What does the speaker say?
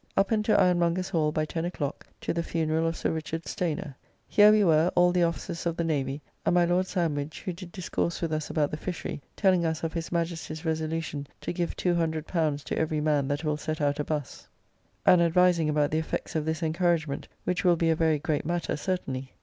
Up and to Ironmongers' Hall by ten o'clock to the funeral of Sir Richard Stayner. Here we were, all the officers of the Navy, and my Lord Sandwich, who did discourse with us about the fishery, telling us of his Majesty's resolution to give L200 to every man that will set out a Busse; [A small sea vessel used in the Dutch herring fishery.] and advising about the effects of this encouragement, which will be a very great matter certainly.